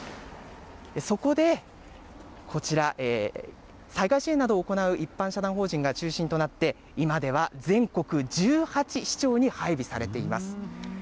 そこで、こちら、災害支援などを行う一般社団法人が中心となって、今では全国１８市町に配備されています。